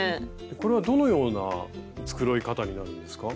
これはどのような繕い方になるんですか？